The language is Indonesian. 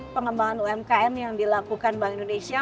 pengembangan umkm yang dilakukan bank indonesia